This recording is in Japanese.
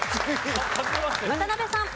渡辺さん。